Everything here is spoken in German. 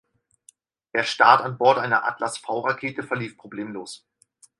Der Start an Bord einer Atlas-V-Rakete verlief problemlos.